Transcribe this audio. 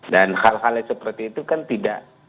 dan hal halnya seperti itu kan tidak